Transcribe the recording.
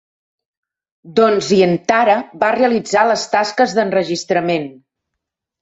Don Zientara va realitzar les tasques d'enregistrament.